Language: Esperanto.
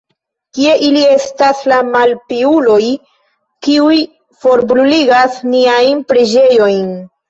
Kie ili estas, la malpiuloj, kiuj forbruligas niajn preĝejojn?